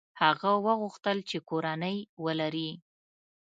هغه وغوښتل چې کورنۍ ولري.